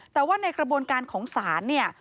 แต่ว่าในกระบวนการของศาลเนี่ย